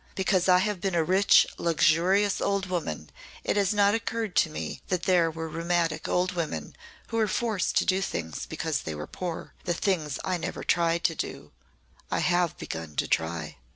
Because I have been a rich, luxurious old woman it has not occurred to me that there were rheumatic old women who were forced to do things because they were poor the things I never tried to do. I have begun to try."